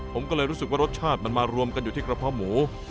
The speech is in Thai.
ผมก็เลยรู้สึกว่ารสชาติมันมารวมกันอยู่ที่กระเพาะหมู